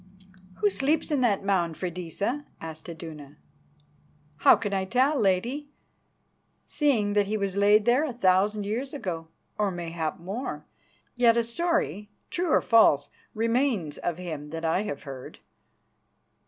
"Who sleeps in that mound, Freydisa?" asked Iduna. "How can I tell, Lady, seeing that he was laid there a thousand years ago, or mayhap more? Yet a story, true or false, remains of him that I have heard.